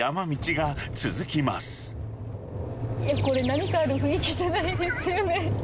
これ、何かある雰囲気じゃないですよね。